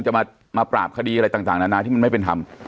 จะมาปราบคดีอะไรต่างนานาที่มันไม่เป็นธรรม